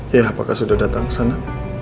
ya apakah sudah datang ke sana